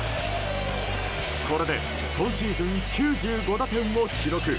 これで今シーズン９５打点を記録。